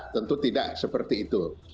tentu tidak seperti itu